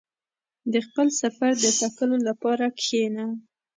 • د خپل سفر د ټاکلو لپاره کښېنه.